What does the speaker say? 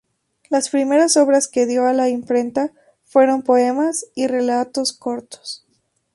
Las primeras obras que dio a la imprenta fueron poemas y relatos cortos.